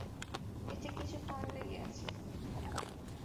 এতে কিছু পান লেগে গেছে।